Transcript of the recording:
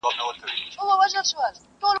څېړونکی به خپلي موندنې خپرې کړي.